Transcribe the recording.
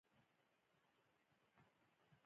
فارسي کې اسلام تحولات زندگی ترجمه شوی.